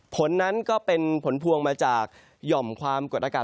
ผลนั้นก็เป็นผลพวงมาจากหย่อมความกดอากาศ